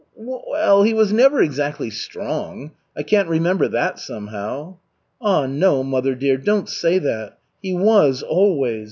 "Well, he was never exactly strong. I can't remember that, somehow." "Ah no, mother dear, don't say that. He was, always.